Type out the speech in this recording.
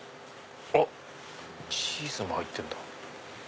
あっチーズも入ってんだ。